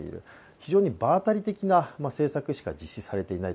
非常に場当たり的な政策しか実施されていない。